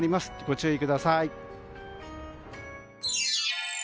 ご注意ください。